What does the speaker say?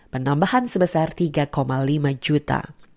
penambahan sebesar tiga lima juta